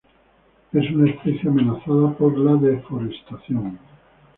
Es una especie amenazada por la deforestación.